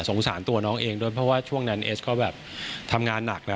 สงสารตัวน้องเองด้วยเพราะว่าช่วงนั้นเอสก็แบบทำงานหนักนะ